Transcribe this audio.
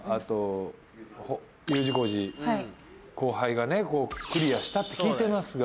後輩がねクリアしたって聞いてますが。